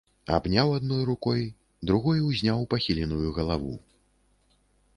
Абняў адной рукой, другой узняў пахіленую галаву.